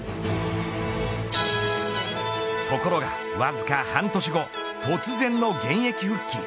ところが、わずか半年後突然の現役復帰。